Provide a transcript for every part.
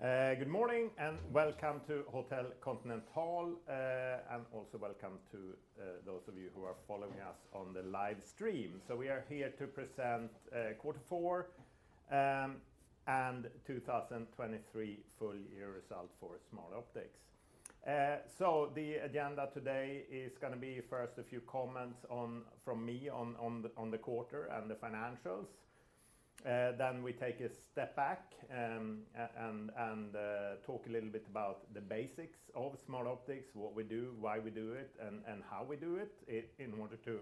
Good morning and welcome to Hotel Continental, and also welcome to those of you who are following us on the live stream. We are here to present Q4 and 2023 full year result for Smartoptics. The agenda today is going to be first a few comments from me on the quarter and the financials. We take a step back and talk a little bit about the basics of Smartoptics, what we do, why we do it, and how we do it in order to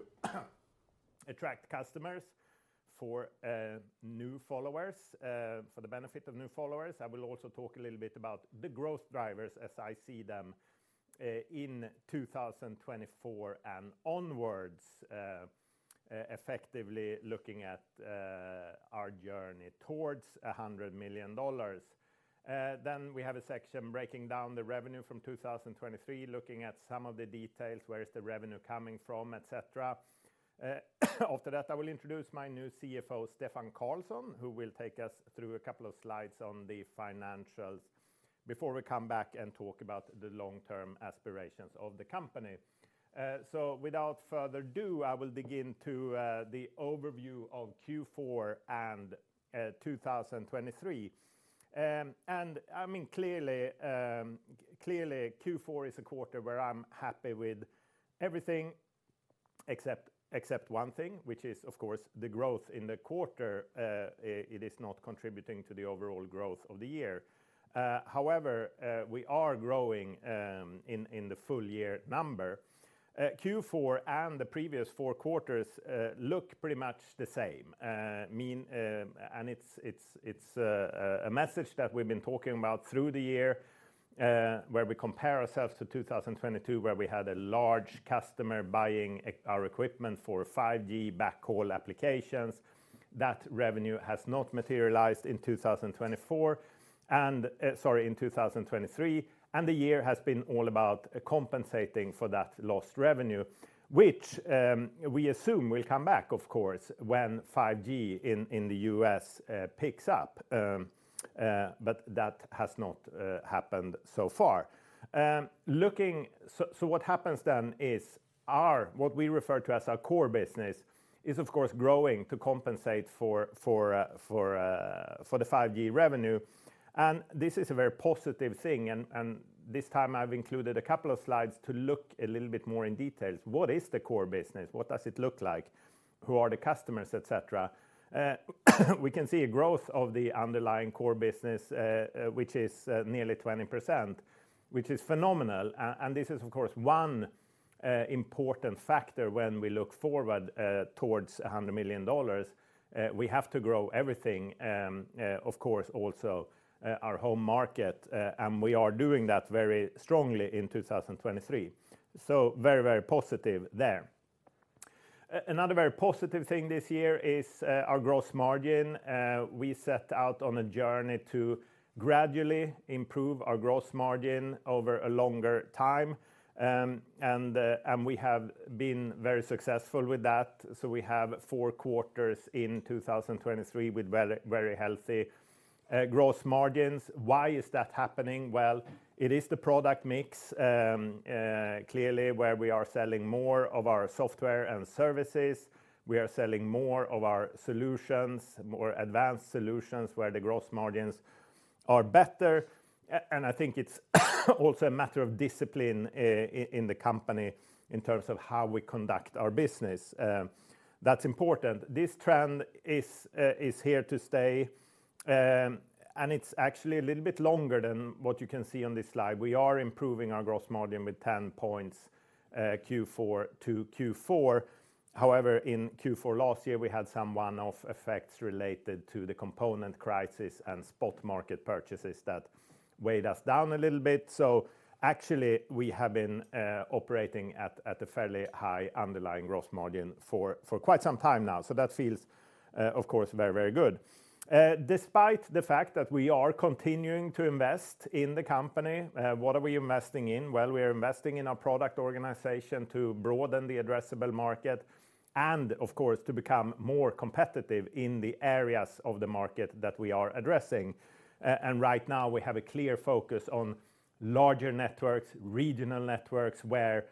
attract customers for new followers, for the benefit of new followers. I will also talk a little bit about the growth drivers as I see them in 2024 and onwards, effectively looking at our journey towards $100 million. We have a section breaking down the revenue from 2023, looking at some of the details, where is the revenue coming from, etc. After that, I will introduce my new CFO, Stefan Karlsson, who will take us through a couple of slides on the financials before we come back and talk about the long-term aspirations of the company. So without further ado, I will dig into the overview of Q4 and 2023. I mean clearly Q4 is a quarter where I'm happy with everything except one thing, which is of course the growth in the quarter. It is not contributing to the overall growth of the year. However, we are growing in the full year number. Q4 and the previous four quarters look pretty much the same. It's a message that we've been talking about through the year where we compare ourselves to 2022 where we had a large customer buying our equipment for 5G backhaul applications. That revenue has not materialized in 2023 and the year has been all about compensating for that lost revenue, which we assume will come back of course when 5G in the U.S. picks up. But that has not happened so far. So what happens then is what we refer to as our core business is of course growing to compensate for the 5G revenue. And this is a very positive thing. And this time I've included a couple of slides to look a little bit more in detail. What is the core business? What does it look like? Who are the customers, etc.? We can see a growth of the underlying core business, which is nearly 20%, which is phenomenal. And this is of course one important factor when we look forward towards $100 million. We have to grow everything, of course also our home market. We are doing that very strongly in 2023. Very, very positive there. Another very positive thing this year is our gross margin. We set out on a journey to gradually improve our gross margin over a longer time. We have been very successful with that. We have four quarters in 2023 with very healthy gross margins. Why is that happening? Well, it is the product mix clearly where we are selling more of our software and services. We are selling more of our solutions, more advanced solutions where the gross margins are better. I think it's also a matter of discipline in the company in terms of how we conduct our business. That's important. This trend is here to stay. It's actually a little bit longer than what you can see on this slide. We are improving our gross margin with 10 points Q4 to Q4. However, in Q4 last year we had some one-off effects related to the component crisis and spot market purchases that weighed us down a little bit. So actually we have been operating at a fairly high underlying gross margin for quite some time now. So that feels of course very, very good. Despite the fact that we are continuing to invest in the company, what are we investing in? Well, we are investing in our product organization to broaden the addressable market and of course to become more competitive in the areas of the market that we are addressing. Right now we have a clear focus on larger networks, regional networks where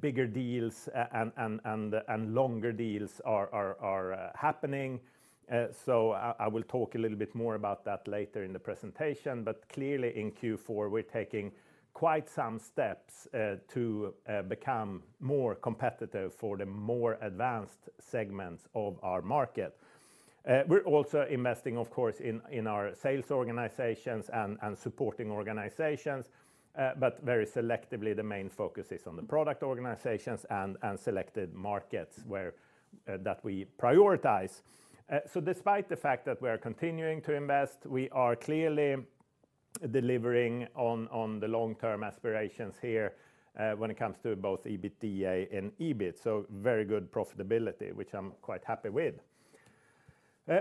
bigger deals and longer deals are happening. So I will talk a little bit more about that later in the presentation. But clearly in Q4 we're taking quite some steps to become more competitive for the more advanced segments of our market. We're also investing of course in our sales organizations and supporting organizations. But very selectively the main focus is on the product organizations and selected markets that we prioritize. So despite the fact that we are continuing to invest, we are clearly delivering on the long-term aspirations here when it comes to both EBITDA and EBIT. So very good profitability, which I'm quite happy with.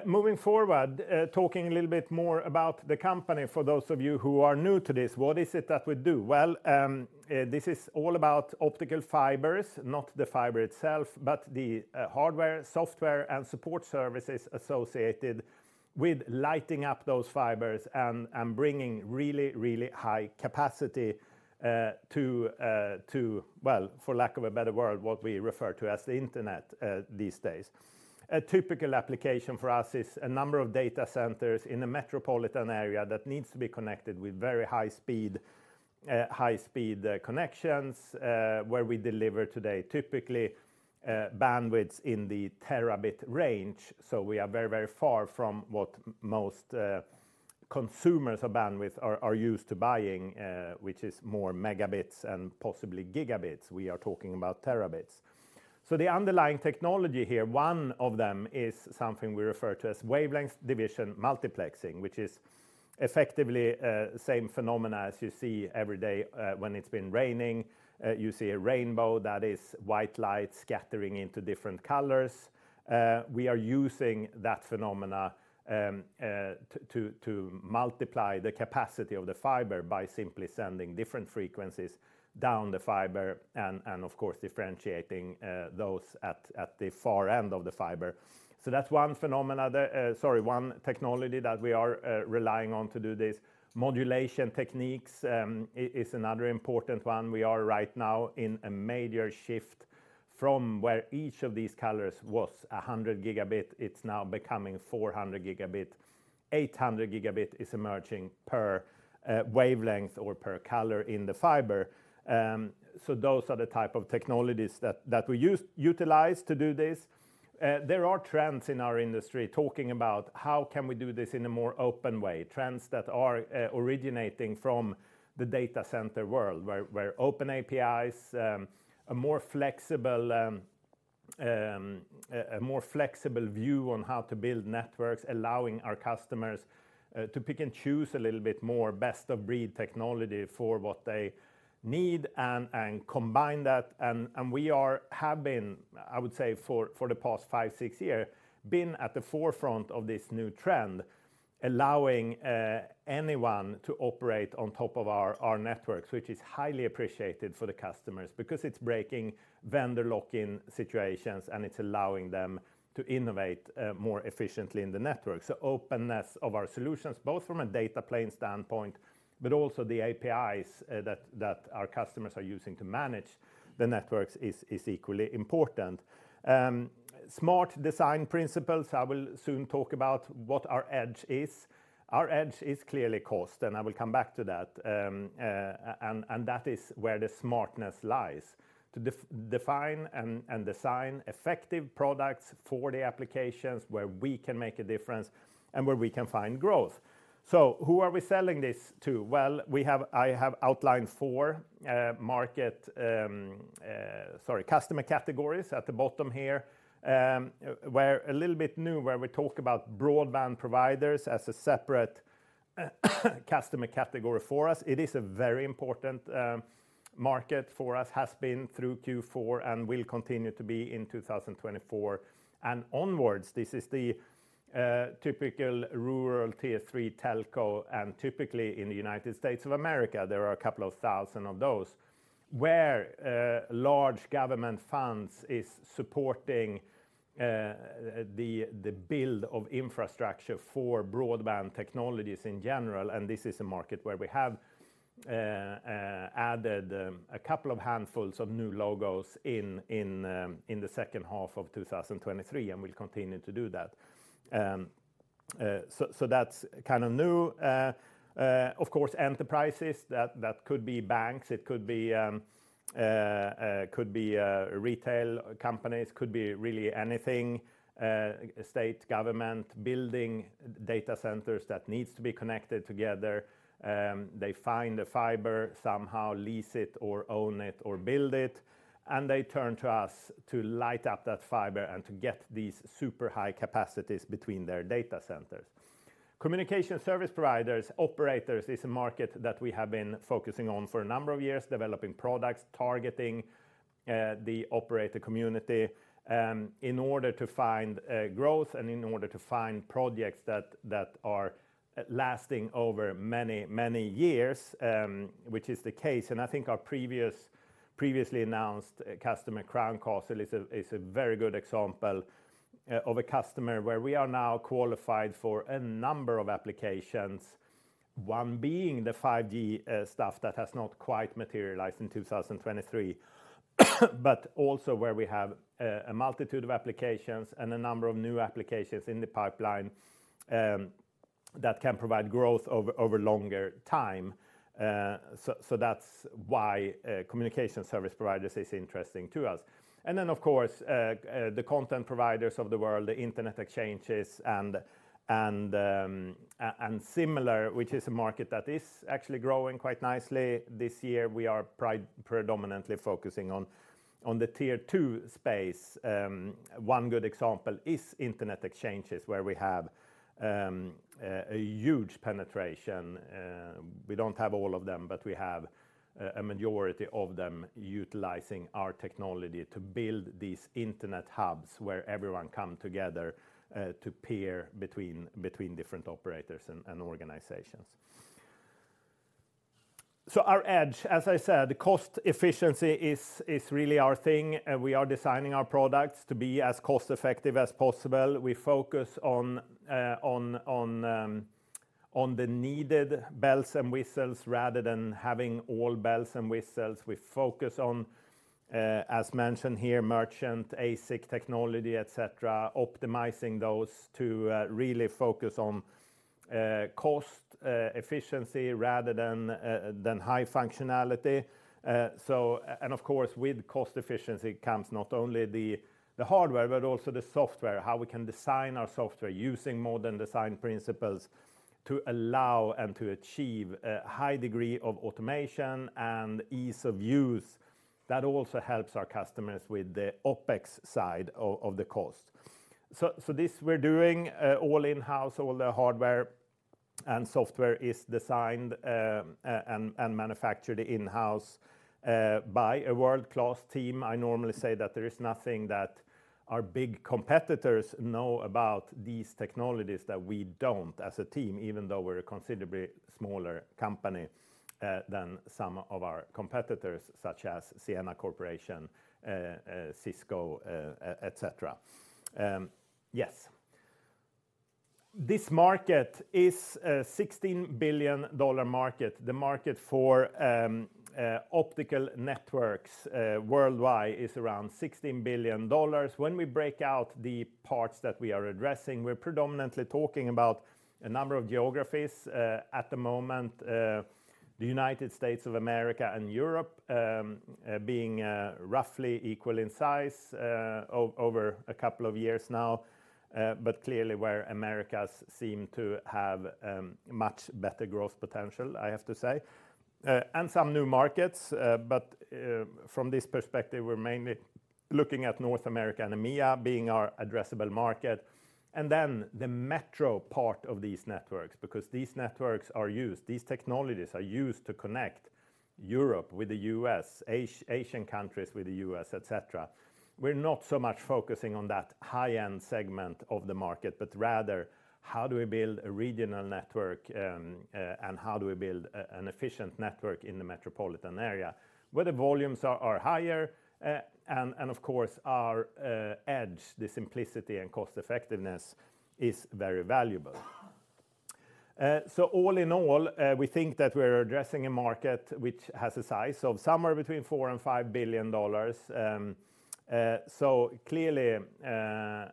Moving forward, talking a little bit more about the company for those of you who are new to this, what is it that we do? Well, this is all about optical fibers, not the fiber itself, but the hardware, software, and support services associated with lighting up those fibers and bringing really, really high capacity to, well, for lack of a better word, what we refer to as the internet these days. A typical application for us is a number of data centers in a metropolitan area that needs to be connected with very high-speed connections where we deliver today typically bandwidths in the terabit range. So we are very, very far from what most consumers of bandwidth are used to buying, which is more megabits and possibly gigabits. We are talking about terabits. So the underlying technology here, one of them is something we refer to as wavelength division multiplexing, which is effectively the same phenomena as you see every day when it's been raining. You see a rainbow that is white light scattering into different colors. We are using that phenomena to multiply the capacity of the fiber by simply sending different frequencies down the fiber and of course differentiating those at the far end of the fiber. So that's one phenomena, sorry, one technology that we are relying on to do this. Modulation techniques is another important one. We are right now in a major shift from where each of these colors was 100 gigabit, it's now becoming 400 gigabit. 800 gigabit is emerging per wavelength or per color in the fiber. So those are the type of technologies that we utilize to do this. There are trends in our industry talking about how can we do this in a more open way. Trends that are originating from the data center world where open APIs, a more flexible view on how to build networks, allowing our customers to pick and choose a little bit more best of breed technology for what they need and combine that. We have, I would say, for the past five, six years been at the forefront of this new trend, allowing anyone to operate on top of our networks, which is highly appreciated for the customers because it's breaking vendor lock-in situations and it's allowing them to innovate more efficiently in the network. Openness of our solutions, both from a data plane standpoint, but also the APIs that our customers are using to manage the networks is equally important. Smart design principles. I will soon talk about what our edge is. Our edge is clearly cost and I will come back to that. That is where the smartness lies. To define and design effective products for the applications where we can make a difference and where we can find growth. So who are we selling this to? Well, I have outlined four customer categories at the bottom here. We're a little bit new where we talk about broadband providers as a separate customer category for us. It is a very important market for us, has been through Q4 and will continue to be in 2024 and onwards. This is the typical rural Tier 3 telco and typically in the United States of America, there are 2,000 of those. Where large government funds are supporting the build of infrastructure for broadband technologies in general. This is a market where we have added a couple of handfuls of new logos in the second half of 2023 and we'll continue to do that. That's kind of new. Of course, enterprises, that could be banks, it could be retail companies, could be really anything, state government, building data centers that needs to be connected together. They find a fiber, somehow lease it or own it or build it. They turn to us to light up that fiber and to get these super high capacities between their data centers. Communication service providers, operators is a market that we have been focusing on for a number of years, developing products, targeting the operator community in order to find growth and in order to find projects that are lasting over many, many years, which is the case. I think our previously announced customer Crown Castle is a very good example of a customer where we are now qualified for a number of applications. One being the 5G stuff that has not quite materialized in 2023. But also where we have a multitude of applications and a number of new applications in the pipeline that can provide growth over longer time. That's why communication service providers are interesting to us. Then of course, the content providers of the world, the Internet exchanges and similar, which is a market that is actually growing quite nicely this year. We are predominantly focusing on the Tier 2 space. One good example is Internet exchanges where we have a huge penetration. We don't have all of them, but we have a majority of them utilizing our technology to build these internet hubs where everyone comes together to peer between different operators and organizations. So our edge, as I said, cost efficiency is really our thing. We are designing our products to be as cost-effective as possible. We focus on the needed bells and whistles rather than having all bells and whistles. We focus on, as mentioned here, merchant ASIC technology, etc. Optimizing those to really focus on cost efficiency rather than high functionality. And of course, with cost efficiency comes not only the hardware, but also the software. How we can design our software using modern design principles to allow and to achieve a high degree of automation and ease of use. That also helps our customers with the OpEx side of the cost. So this we're doing all in-house, all the hardware and software is designed and manufactured in-house by a world-class team. I normally say that there is nothing that our big competitors know about these technologies that we don't as a team, even though we're a considerably smaller company than some of our competitors such as Ciena Corporation, Cisco, etc. Yes. This market is a $16 billion market. The market for optical networks worldwide is around $16 billion. When we break out the parts that we are addressing, we're predominantly talking about a number of geographies at the moment. The United States of America and Europe being roughly equal in size over a couple of years now. But clearly where America seems to have much better growth potential, I have to say. And some new markets. From this perspective, we're mainly looking at North America and EMEA being our addressable market. Then the metro part of these networks because these networks are used, these technologies are used to connect Europe with the U.S., Asian countries with the U.S., etc. We're not so much focusing on that high-end segment of the market, but rather how do we build a regional network and how do we build an efficient network in the metropolitan area. Where the volumes are higher and of course our edge, the simplicity and cost-effectiveness is very valuable. So all in all, we think that we're addressing a market which has a size of somewhere between $4-$5 billion. So clearly a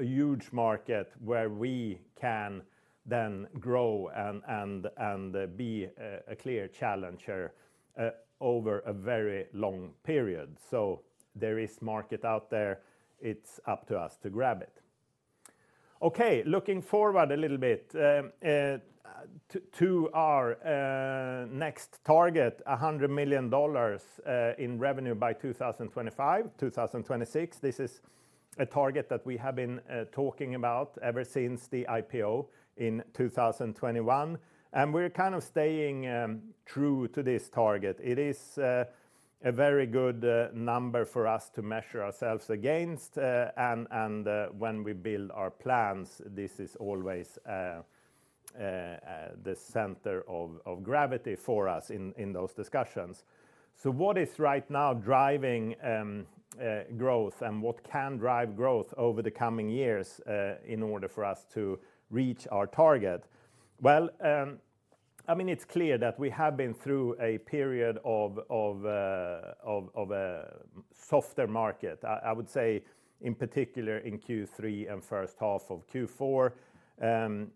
huge market where we can then grow and be a clear challenger over a very long period. So there is market out there, it's up to us to grab it. Okay, looking forward a little bit to our next target, $100 million in revenue by 2025, 2026. This is a target that we have been talking about ever since the IPO in 2021. We're kind of staying true to this target. It is a very good number for us to measure ourselves against. When we build our plans, this is always the center of gravity for us in those discussions. So what is right now driving growth and what can drive growth over the coming years in order for us to reach our target? Well, I mean, it's clear that we have been through a period of a softer market. I would say in particular in Q3 and first half of Q4 and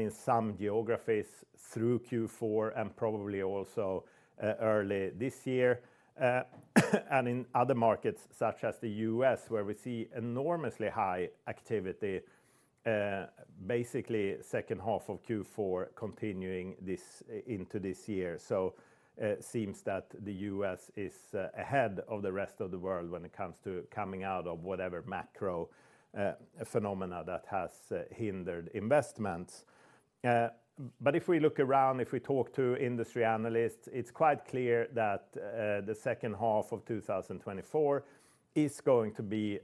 in some geographies through Q4 and probably also early this year. In other markets such as the U.S. where we see enormously high activity, basically second half of Q4 continuing into this year. It seems that the U.S. is ahead of the rest of the world when it comes to coming out of whatever macro phenomena that has hindered investments. If we look around, if we talk to industry analysts, it's quite clear that the second half of 2024 is going to be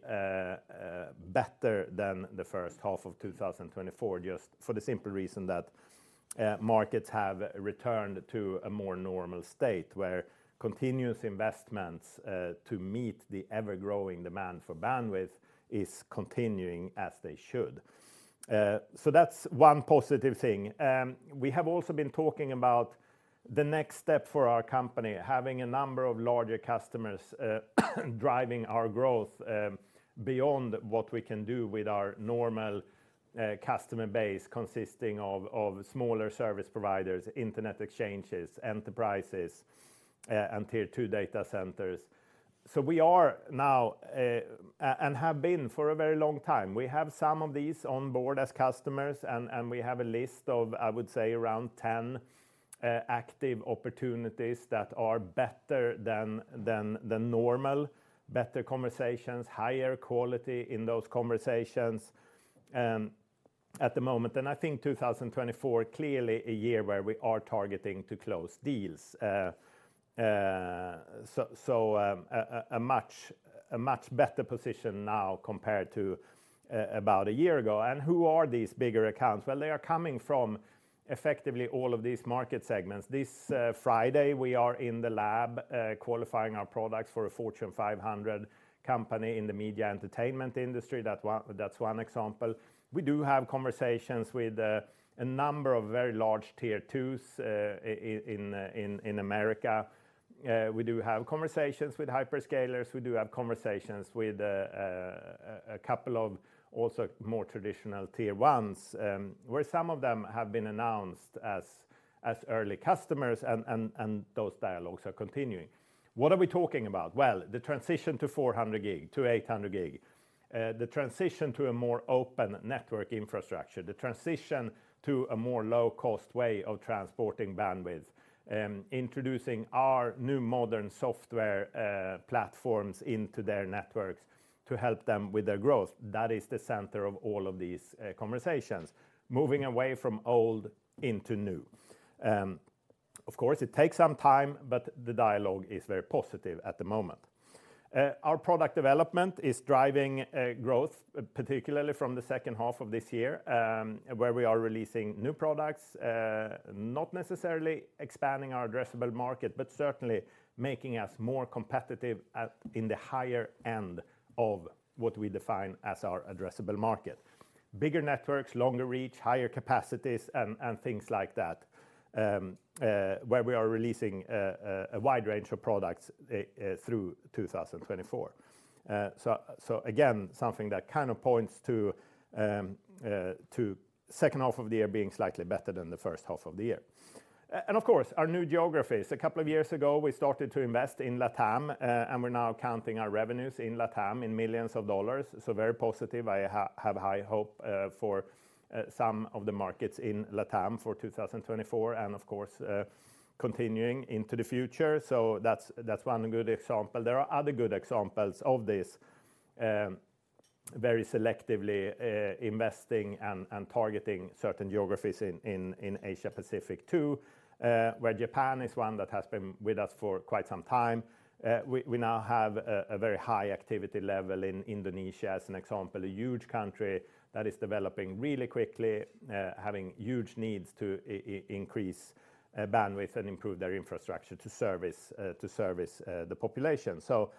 better than the first half of 2024 just for the simple reason that markets have returned to a more normal state where continuous investments to meet the ever-growing demand for bandwidth are continuing as they should. That's one positive thing. We have also been talking about the next step for our company, having a number of larger customers driving our growth beyond what we can do with our normal customer base consisting of smaller service providers, Internet exchanges, enterprises, and Tier 2 data centers. So we are now and have been for a very long time. We have some of these on board as customers and we have a list of, I would say, around 10 active opportunities that are better than the normal. Better conversations, higher quality in those conversations at the moment. And I think 2024 clearly is a year where we are targeting to close deals. So a much better position now compared to about a year ago. And who are these bigger accounts? Well, they are coming from effectively all of these market segments. This Friday we are in the lab qualifying our products for a Fortune 500 company in the media entertainment industry, that's one example. We do have conversations with a number of very large Tier 2s in America. We do have conversations with hyperscalers, we do have conversations with a couple of also more traditional Tier 1s where some of them have been announced as early customers and those dialogues are continuing. What are we talking about? Well, the transition to 400 gig, to 800 gig. The transition to a more open network infrastructure, the transition to a more low-cost way of transporting bandwidth. Introducing our new modern software platforms into their networks to help them with their growth. That is the center of all of these conversations. Moving away from old into new. Of course, it takes some time, but the dialogue is very positive at the moment. Our product development is driving growth, particularly from the second half of this year where we are releasing new products. Not necessarily expanding our addressable market, but certainly making us more competitive in the higher end of what we define as our addressable market. Bigger networks, longer reach, higher capacities and things like that. Where we are releasing a wide range of products through 2024. So again, something that kind of points to second half of the year being slightly better than the first half of the year. And of course, our new geographies. A couple of years ago we started to invest in LATAM and we're now counting our revenues in LATAM in $ millions. So very positive. I have high hope for some of the markets in LATAM for 2024 and of course continuing into the future. So that's one good example. There are other good examples of this very selectively investing and targeting certain geographies in Asia-Pacific too. Where Japan is one that has been with us for quite some time. We now have a very high activity level in Indonesia as an example, a huge country that is developing really quickly, having huge needs to increase bandwidth and improve their infrastructure to service to service the population. So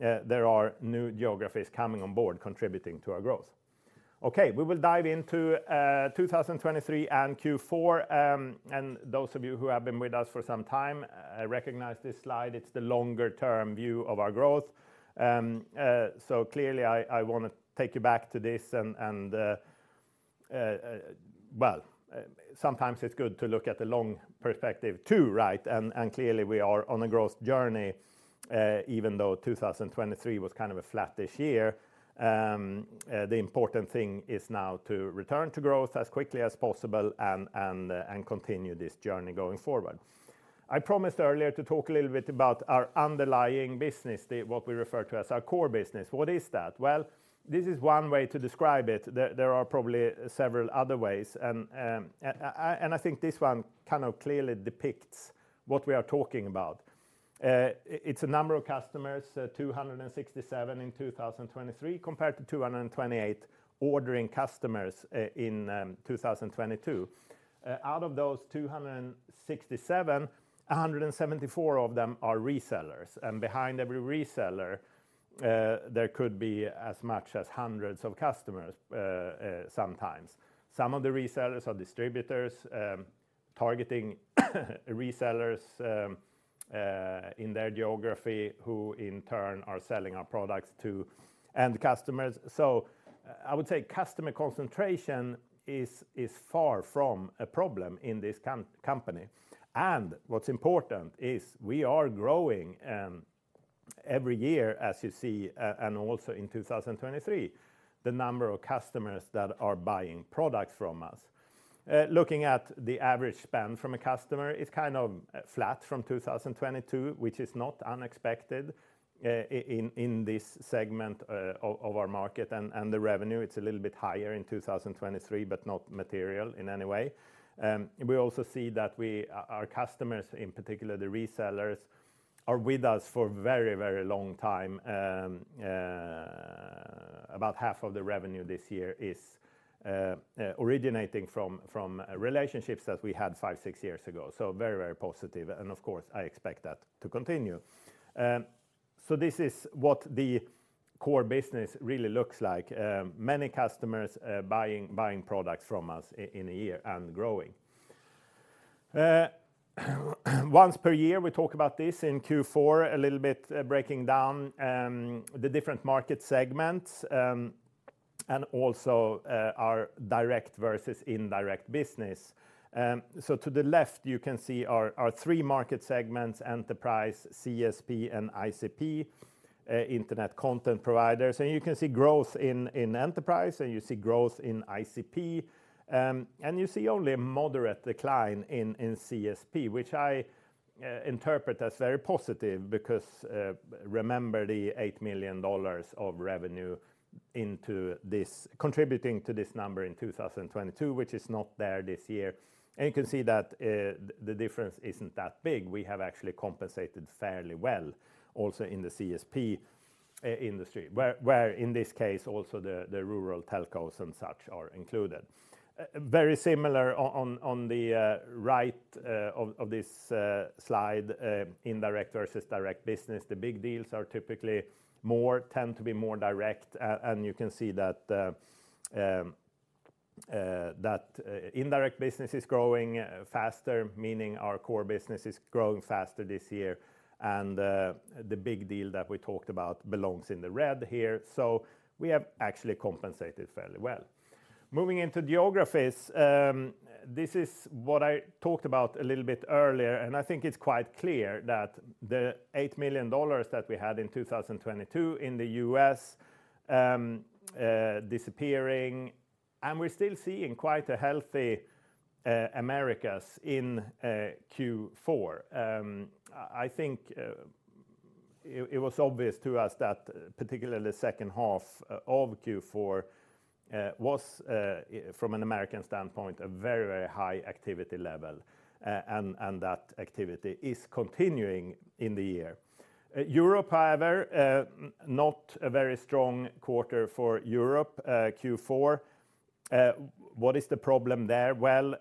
there are new geographies coming on board, contributing to our growth. Okay, we will dive into 2023 and Q4. Those of you who have been with us for some time recognize this slide. It's the longer-term view of our growth. So clearly I want to take you back to this and... Well, sometimes it's good to look at the long perspective too, right? And clearly we are on a growth journey even though 2023 was kind of a flat-ish year. The important thing is now to return to growth as quickly as possible and continue this journey going forward. I promised earlier to talk a little bit about our underlying business, what we refer to as our core business. What is that? Well, this is one way to describe it. There are probably several other ways. And I think this one kind of clearly depicts what we are talking about. It's a number of customers, 267 in 2023 compared to 228 ordering customers in 2022. Out of those 267, 174 of them are resellers. And behind every reseller there could be as much as hundreds of customers sometimes. Some of the resellers are distributors targeting resellers in their geography who in turn are selling our products to end customers. So I would say customer concentration is far from a problem in this company. What's important is we are growing every year as you see and also in 2023 the number of customers that are buying products from us. Looking at the average spend from a customer, it's kind of flat from 2022, which is not unexpected in this segment of our market. The revenue, it's a little bit higher in 2023, but not material in any way. We also see that our customers, in particular the resellers, are with us for a very, very long time. About half of the revenue this year is originating from relationships that we had 5, 6 years ago. So very, very positive. Of course, I expect that to continue. So this is what the core business really looks like. Many customers buying products from us in a year and growing. Once per year we talk about this in Q4, a little bit breaking down the different market segments. And also our direct versus indirect business. So to the left you can see our three market segments: enterprise, CSP, and ICP. Internet content providers. And you can see growth in enterprise and you see growth in ICP. And you see only a moderate decline in CSP, which I interpret as very positive because remember the $8 million of revenue contributing to this number in 2022, which is not there this year. And you can see that the difference isn't that big. We have actually compensated fairly well also in the CSP industry. Where in this case also the rural telcos and such are included. Very similar on the right of this slide, indirect versus direct business. The big deals are typically more, tend to be more direct. You can see that indirect business is growing faster, meaning our core business is growing faster this year. And the big deal that we talked about belongs in the red here. So we have actually compensated fairly well. Moving into geographies, this is what I talked about a little bit earlier and I think it's quite clear that the $8 million that we had in 2022 in the U.S. disappearing. And we're still seeing quite a healthy Americas in Q4. I think it was obvious to us that particularly the second half of Q4 was from an American standpoint a very, very high activity level. And that activity is continuing in the year. Europe, however, not a very strong quarter for Europe, Q4. What is the problem there? Well...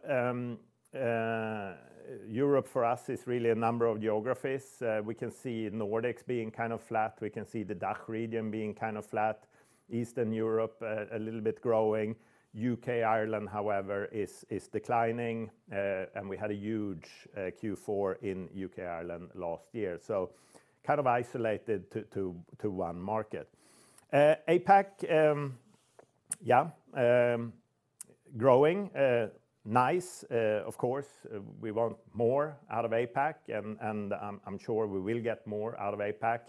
Europe for us is really a number of geographies. We can see Nordics being kind of flat, we can see the DACH region being kind of flat. Eastern Europe a little bit growing. UK, Ireland, however, is declining. And we had a huge Q4 in UK, Ireland last year. So kind of isolated to one market. APAC... Yeah... Growing. Nice, of course. We want more out of APAC and I'm sure we will get more out of APAC.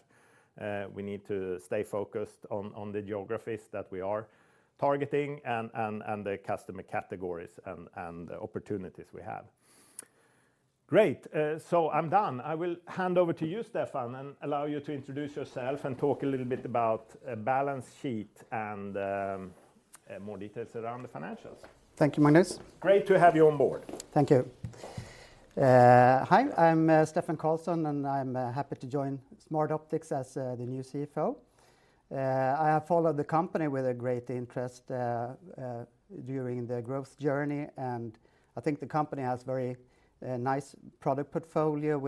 We need to stay focused on the geographies that we are targeting and the customer categories and the opportunities we have. Great, so I'm done. I will hand over to you, Stefan, and allow you to introduce yourself and talk a little bit about a balance sheet and more details around the financials. Thank you, Magnus. Great to have you on board. Thank you. Hi, I'm Stefan Karlsson and I'm happy to join Smartoptics as the new CFO. I have followed the company with a great interest during the growth journey and I think the company has a very nice product portfolio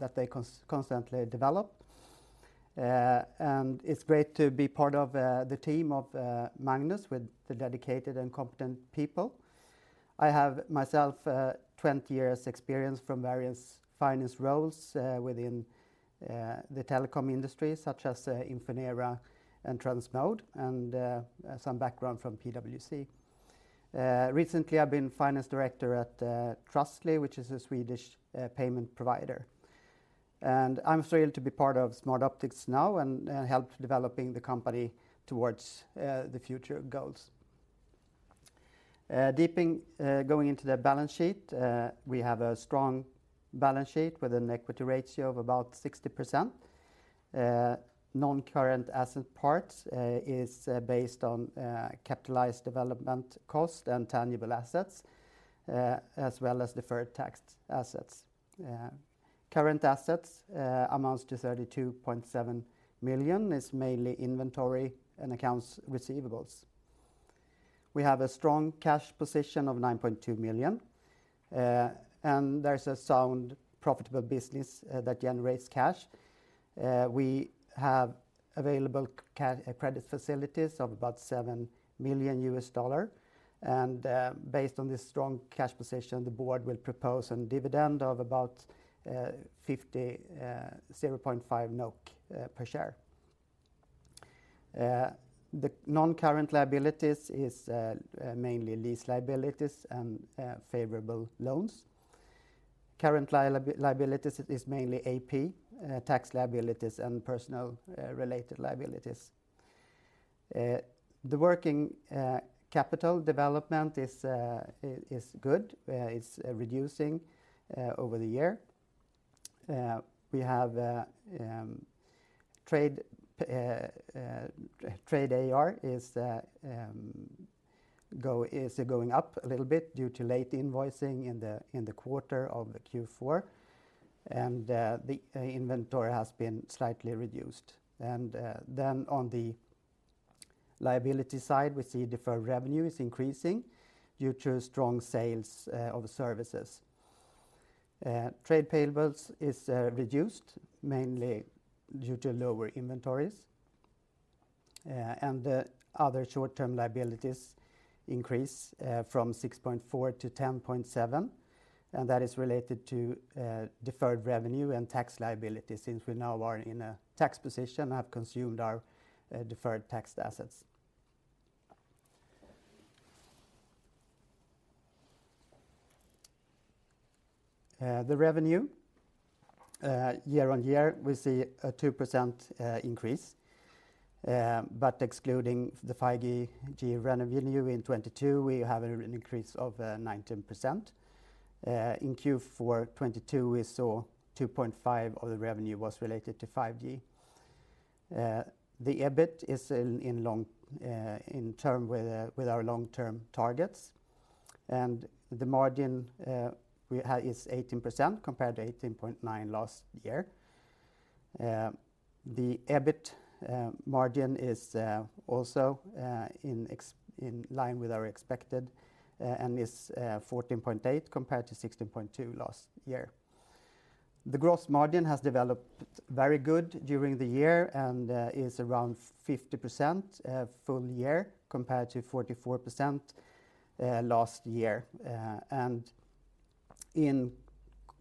that they constantly develop. It's great to be part of the team of Magnus with the dedicated and competent people. I have myself 20 years' experience from various finance roles within the telecom industry such as Infinera and Transmode and some background from PwC. Recently I've been finance director at Trustly, which is a Swedish payment provider. I'm thrilled to be part of Smartoptics now and help developing the company towards the future goals. Going into the balance sheet, we have a strong balance sheet with an equity ratio of about 60%. Non-current asset parts is based on capitalized development cost and tangible assets as well as deferred tax assets. Current assets amount to $32.7 million, is mainly inventory and accounts receivables. We have a strong cash position of $9.2 million. There's a sound profitable business that generates cash. We have available credit facilities of about $7 million. Based on this strong cash position, the board will propose a dividend of about 0.5 NOK per share. The non-current liabilities are mainly lease liabilities and favorable loans. Current liabilities are mainly AP, tax liabilities and personnel related liabilities. The working capital development is good, it's reducing over the year. Trade AR is going up a little bit due to late invoicing in the quarter of Q4. And the inventory has been slightly reduced. And then on the liability side, we see deferred revenue is increasing due to strong sales of services. Trade payables are reduced, mainly due to lower inventories. The other short-term liabilities increase from $6.4-$10.7. That is related to deferred revenue and tax liabilities since we now are in a tax position and have consumed our deferred tax assets. The revenue, year-on-year, we see a 2% increase. But excluding the 5G revenue in 2022, we have an increase of 19%. In Q4 2022, we saw 2.5% of the revenue was related to 5G. The EBIT is in line with our long-term targets. The margin we have is 18% compared to 18.9% last year. The EBIT margin is also in line with our expectations and is 14.8% compared to 16.2% last year. The gross margin has developed very good during the year and is around 50% full year compared to 44% last year. In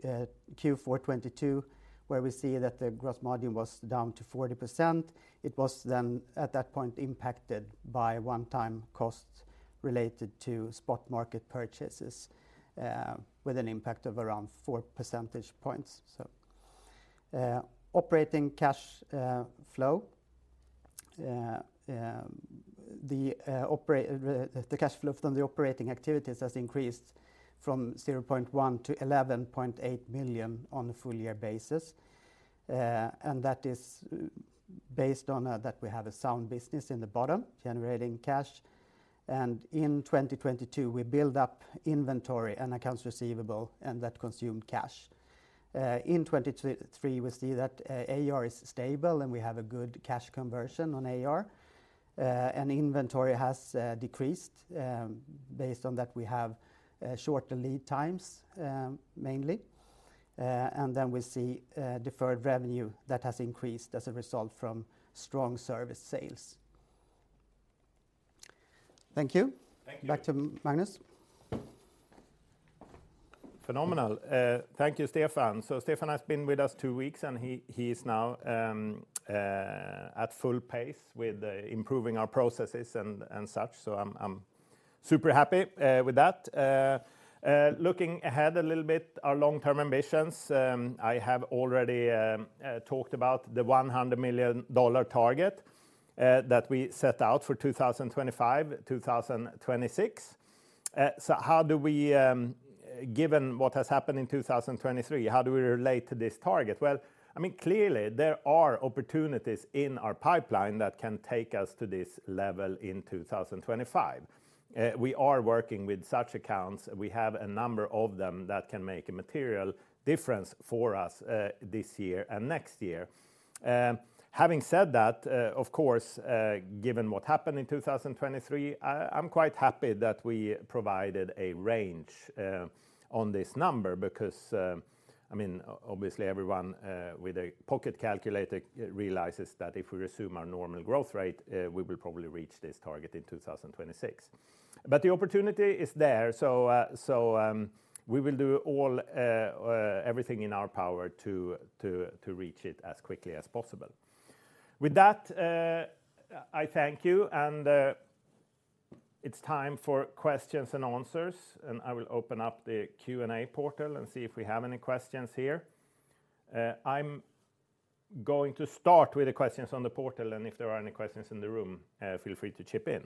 Q4 2022, where we see that the gross margin was down to 40%, it was then at that point impacted by one-time costs related to spot market purchases with an impact of around four percentage points. Operating cash flow... The cash flow from the operating activities has increased from $0.1 million to $11.8 million on a full year basis. That is based on that we have a sound business in the bottom generating cash. In 2022, we build up inventory and accounts receivable and that consumed cash. In 2023, we see that AR is stable and we have a good cash conversion on AR. Inventory has decreased based on that we have shorter lead times mainly. Then we see deferred revenue that has increased as a result from strong service sales. Thank you. Back to Magnus. Phenomenal. Thank you, Stefan. So Stefan has been with us two weeks and he is now at full pace with improving our processes and such. So I'm super happy with that. Looking ahead a little bit, our long-term ambitions, I have already talked about the $100 million target that we set out for 2025-2026. So how do we, given what has happened in 2023, how do we relate to this target? Well, I mean clearly there are opportunities in our pipeline that can take us to this level in 2025. We are working with such accounts, we have a number of them that can make a material difference for us this year and next year. Having said that, of course, given what happened in 2023, I'm quite happy that we provided a range on this number because I mean obviously everyone with a pocket calculator realizes that if we resume our normal growth rate, we will probably reach this target in 2026. But the opportunity is there, so we will do everything in our power to reach it as quickly as possible. With that, I thank you and it's time for questions and answers. And I will open up the Q&A portal and see if we have any questions here. I'm going to start with the questions on the portal and if there are any questions in the room, feel free to chip in.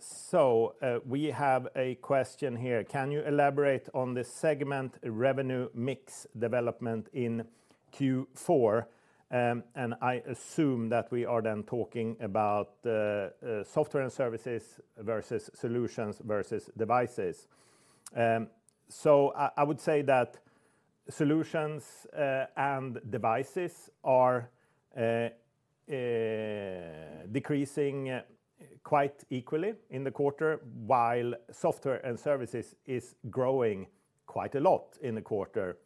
So we have a question here. Can you elaborate on the segment revenue mix development in Q4? I assume that we are then talking about software and services versus solutions versus devices. So I would say that solutions and devices are decreasing quite equally in the quarter while software and services are growing quite a lot in the quarter.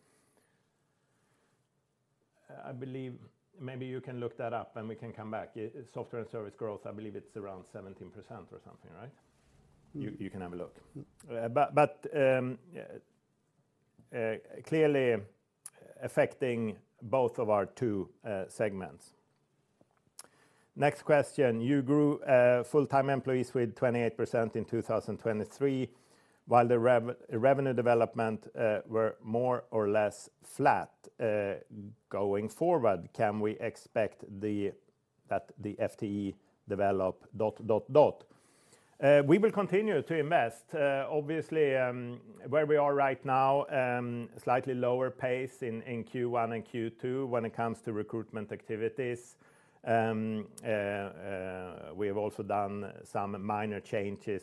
I believe, maybe you can look that up and we can come back. Software and service growth, I believe it's around 17% or something, right? You can have a look. But clearly affecting both of our two segments. Next question. You grew full-time employees with 28% in 2023 while the revenue development were more or less flat going forward. Can we expect that the FTE develop...? We will continue to invest. Obviously, where we are right now, slightly lower pace in Q1 and Q2 when it comes to recruitment activities. We have also done some minor changes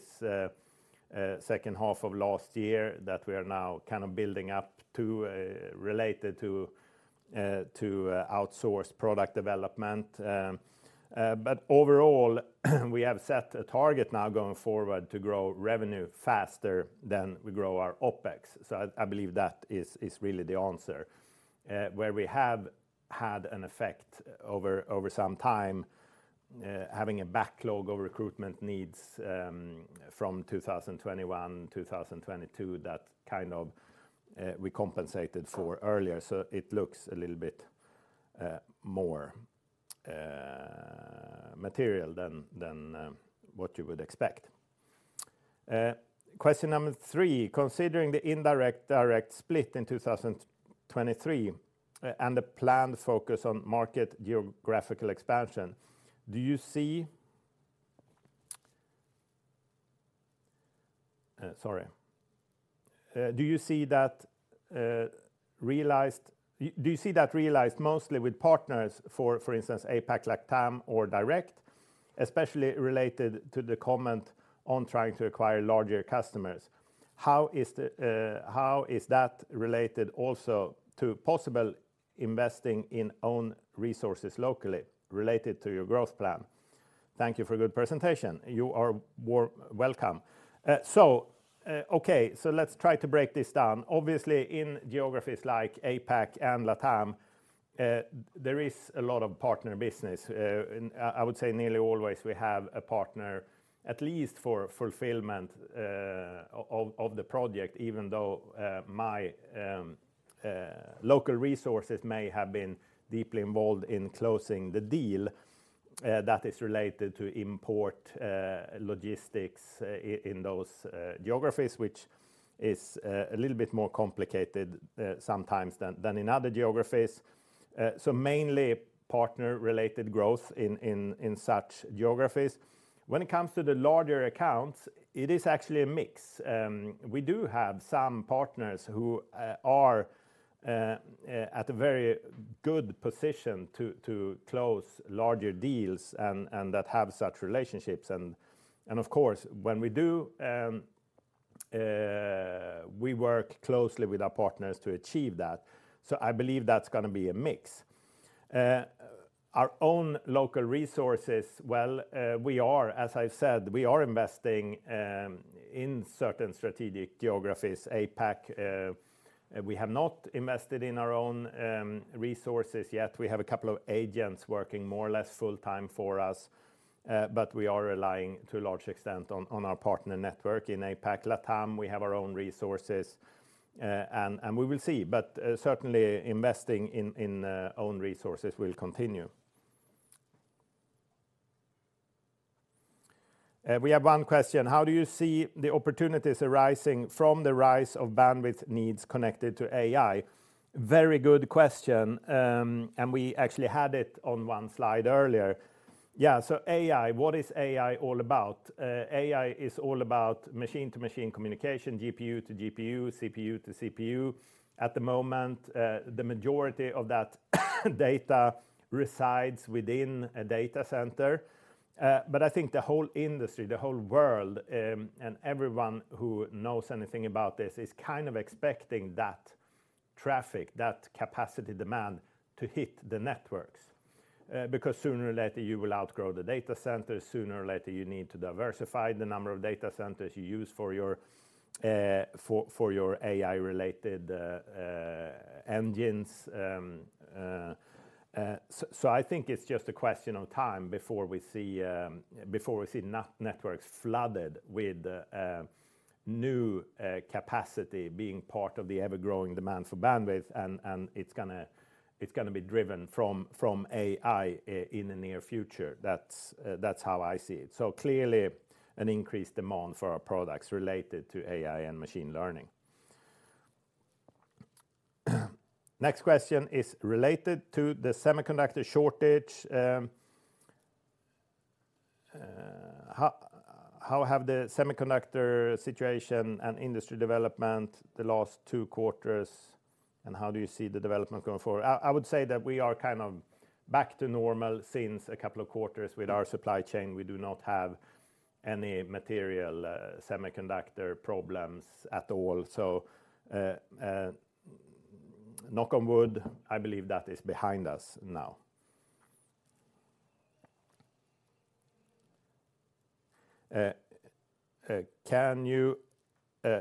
second half of last year that we are now kind of building up to related to to outsource product development. But overall, we have set a target now going forward to grow revenue faster than we grow our OpEx. So I believe that is is really the answer. Where we have had an effect over over some time, having a backlog of recruitment needs from 2021-2022 that kind of we compensated for earlier. So it looks a little bit more material than than what you would expect. Question number three. Considering the indirect-direct split in 2023 and the planned focus on market geographical expansion, do you see...? Sorry. Do you see that realized...? Do you see that realized mostly with partners, for instance, APAC LATAM or direct, especially related to the comment on trying to acquire larger customers? How is that related also to possible investing in own resources locally related to your growth plan? Thank you for a good presentation. You are welcome. So, okay, so let's try to break this down. Obviously, in geographies like APAC and LATAM, there is a lot of partner business. I would say nearly always we have a partner, at least for fulfillment of the project, even though my local resources may have been deeply involved in closing the deal that is related to import logistics in those geographies, which is a little bit more complicated sometimes than in other geographies. So mainly partner-related growth in such geographies. When it comes to the larger accounts, it is actually a mix. We do have some partners who are at a very good position to close larger deals and that have such relationships. And of course, when we do... We work closely with our partners to achieve that. So I believe that's going to be a mix. Our own local resources, well, we are, as I've said, we are investing in certain strategic geographies, APAC. We have not invested in our own resources yet. We have a couple of agents working more or less full-time for us. But we are relying to a large extent on our partner network. In APAC, LATAM, we have our own resources. And we will see. But certainly, investing in own resources will continue. We have one question. How do you see the opportunities arising from the rise of bandwidth needs connected to AI? Very good question. And we actually had it on one slide earlier. Yeah, so AI, what is AI all about? AI is all about machine-to-machine communication, GPU-to-GPU, CPU-to-CPU. At the moment, the majority of that data resides within a data center. But I think the whole industry, the whole world, and everyone who knows anything about this is kind of expecting that traffic, that capacity demand to hit the networks. Because sooner or later you will outgrow the data centers, sooner or later you need to diversify the number of data centers you use for your AI-related engines. So I think it's just a question of time before we see networks flooded with new capacity being part of the ever-growing demand for bandwidth. And it's going to be driven from AI in the near future. That's how I see it. So clearly, an increased demand for our products related to AI and machine learning. Next question is related to the semiconductor shortage. How have the semiconductor situation and industry development the last two quarters? And how do you see the development going forward? I would say that we are kind of back to normal since a couple of quarters with our supply chain. We do not have any material semiconductor problems at all. So knock on wood, I believe that is behind us now. Can you...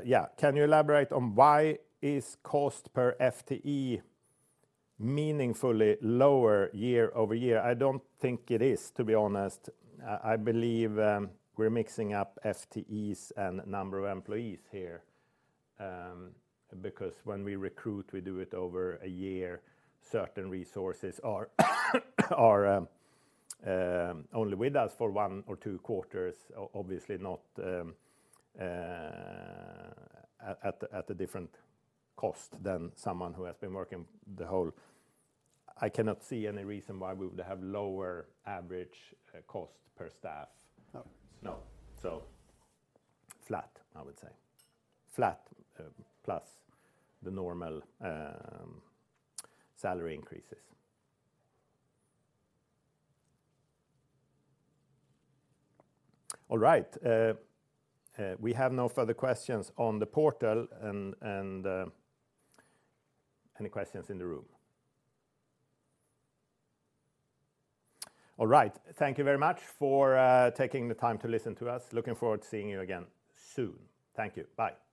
Yeah, can you elaborate on why is cost per FTE meaningfully lower year-over-year? I don't think it is, to be honest. I believe we're mixing up FTEs and number of employees here. Because when we recruit, we do it over a year. Certain resources are only with us for one or two quarters, obviously not at a different cost than someone who has been working the whole... I cannot see any reason why we would have lower average cost per staff. No, so flat, I would say. Flat plus the normal salary increases. All right. We have no further questions on the portal and any questions in the room? All right. Thank you very much for taking the time to listen to us. Looking forward to seeing you again soon. Thank you. Bye.